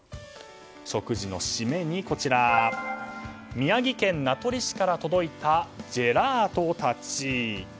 食事の締めに宮城県名取市から届いたジェラートたち。